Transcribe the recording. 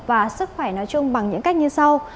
và sức khỏe nói chung bằng những cách như sau